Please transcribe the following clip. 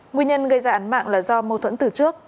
nguyên nhân gây ra án mạng là do mâu thuẫn từ trước